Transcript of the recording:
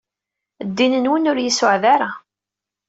Ddin-nwen ur iyi-suɛed ara.